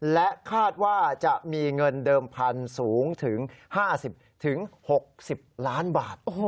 และคาดว่าจะมีเงินเดิมพันธุ์สูงถึง๕๐๖๐ล้านบาท